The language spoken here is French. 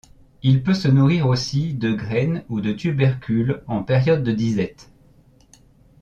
Il peut se nourrir aussi de graines ou de tubercules en période de disette.